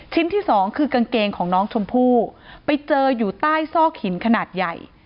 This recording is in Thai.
ที่สองคือกางเกงของน้องชมพู่ไปเจออยู่ใต้ซอกหินขนาดใหญ่